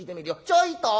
ちょいと！